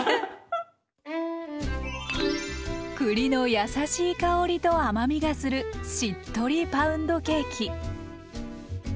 栗のやさしい香りと甘みがするしっとりパウンドケーキ。